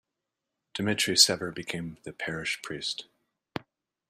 Dimitri Sever became the parish priest.